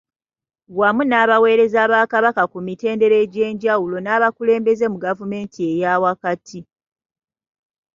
Wamu n’abaweereza ba Kabaka ku mitendera egyenjawulo n’abakulembeze mu gavumenti eyaawakati.